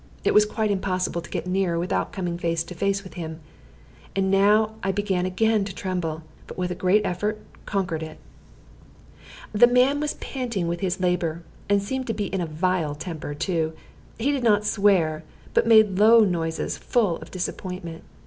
It was quite impossible to get nearer without coming face to face with him. And now I began again to tremble, but with a great effort conquered it. The man was panting with his labor, and seemed to be in a vile temper too. He did not swear, but made low noises full of disappointment.